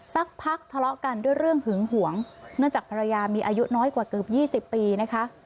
สักพักทะเลาะกันด้วยเรื่องหึงหวงเนื่องจากภรรยามีอายุน้อยกว่าเกือบ๒๐ปีนะคะ